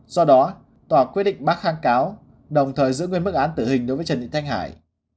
do đó tòa quyết định bác kháng cáo đồng thời giữ nguyên mức án tử hình đối với trần thị thanh hải